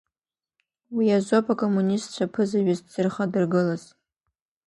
Уи азоуп акоммунистцәа ԥызаҩыс дзырхадыргылаз.